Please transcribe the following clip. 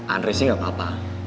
andre sih gak apa apa